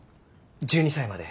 １２歳まで。